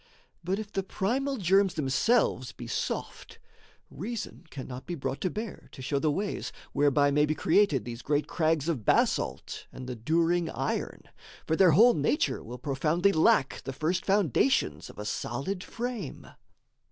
But if the primal germs themselves be soft, Reason cannot be brought to bear to show The ways whereby may be created these Great crags of basalt and the during iron; For their whole nature will profoundly lack The first foundations of a solid frame.